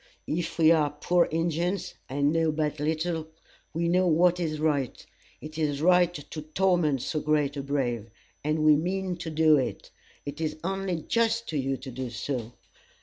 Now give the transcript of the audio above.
If we are poor Injins, and know but little, we know what is right. It is right to torment so great a brave, and we mean to do it. It is only just to you to do so.